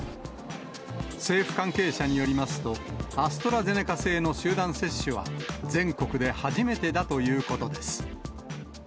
政府関係者によりますと、アストラゼネカ製の集団接種は、全国で初めてだということです。